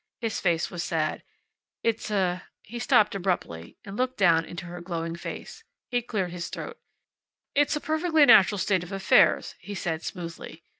His face was sad. "It's a " He stopped abruptly, and looked down into her glowing face. He cleared his throat. "It's a perfectly natural state of affairs," he said smoothly.